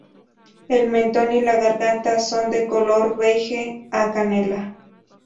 El mentón y la garganta son de color beige a canela.